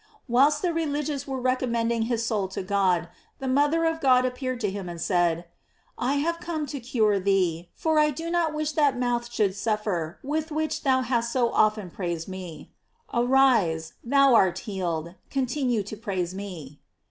Whilst the religious were recommending his soul to God, the mother of God appeared to him and said: "I have come to cure thee, for I do not wish that mouth should suffer with which thou bast so often praised me. Arise, thou art healed, continue to praise me.